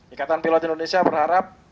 ikatan pilot indonesia berharap